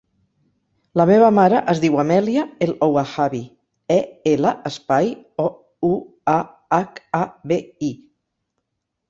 La meva mare es diu Amèlia El Ouahabi: e, ela, espai, o, u, a, hac, a, be, i.